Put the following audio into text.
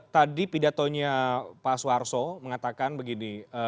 tadi pidatonya pak suharto mengatakan begini